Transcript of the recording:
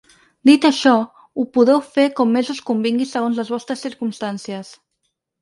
Dit això, ho podeu fer com més us convingui segons les vostres circumstàncies.